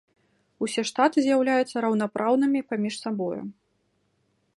Усе штаты з'яўляюцца раўнапраўнымі паміж сабою.